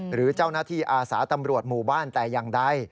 หรือเจ้าหน้าที่อาสาตำรวจหมู่บ้านแต่อย่างใด